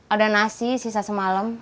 ada nasi sisa semalam